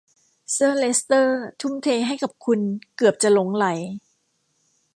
เซอร์เลสเตอร์ทุ่มเทให้กับคุณเกือบจะหลงใหล